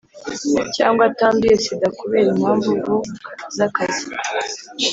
cyangwa atanduye sida kubera impam- vu z’akazi,